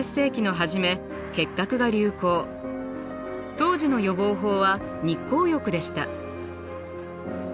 当時の予防法は日光浴でした。